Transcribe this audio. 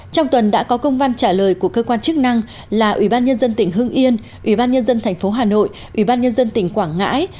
trong tuần đã có công văn trả lời của cơ quan chức năng là ủy ban nhân dân tỉnh hưng yên ủy ban nhân dân thành phố hà nội ủy ban nhân dân tỉnh quảng ngãi